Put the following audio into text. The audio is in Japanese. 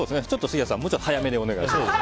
杉原さんもうちょっと早めでお願いします。